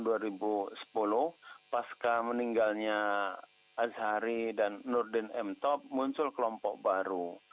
pada tahun dua ribu sepuluh pas meninggalnya azhari dan nurdin m top muncul kelompok baru